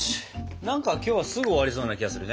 何か今日はすぐ終わりそうな気がするね！